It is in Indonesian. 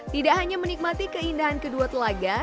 tidak hanya menikmati keindahan kedua telaga